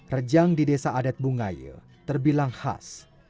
rejang di desa adat bungaya terbilang khas